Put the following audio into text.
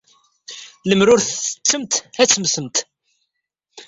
Lemmer ur tettettemt, ad temmtemt.